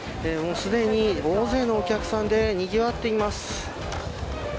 すでに、大勢のお客さんでにぎわっています。